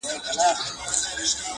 يار ژوند او هغه سره خنـديږي!